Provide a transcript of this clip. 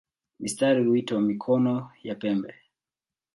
Mistari huitwa "mikono" ya pembe.